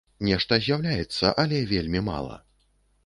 Нешта з'яўляецца, але вельмі мала.